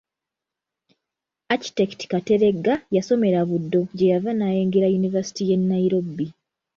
Architect Kateregga yasomera Buddo gye yava n’ayingira yunivasite y’e Nairobi.